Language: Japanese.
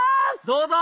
どうぞ！